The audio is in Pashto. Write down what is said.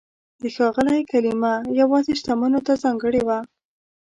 د "ښاغلی" کلمه یوازې شتمنو ته ځانګړې وه.